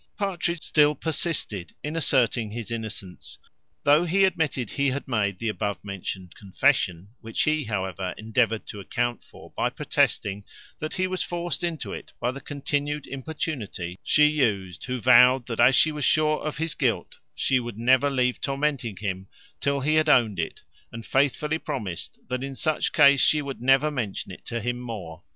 Partridge still persisted in asserting his innocence, though he admitted he had made the above mentioned confession; which he however endeavoured to account for, by protesting that he was forced into it by the continued importunity she used: who vowed, that, as she was sure of his guilt, she would never leave tormenting him till he had owned it; and faithfully promised, that, in such case, she would never mention it to him more.